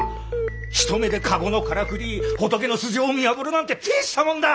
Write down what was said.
ひと目で駕籠のからくり仏の素性を見破るなんててえしたもんだ！